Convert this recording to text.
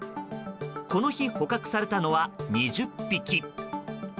この日捕獲されたのは２０匹。